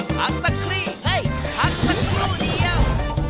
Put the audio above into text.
หักสักครีหักสักครู่เดียว